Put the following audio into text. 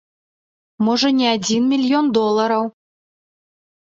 Можа, не адзін мільён долараў.